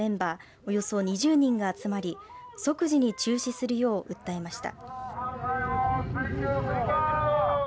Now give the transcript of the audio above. およそ２０人が集まり即時に中止するよう訴えました。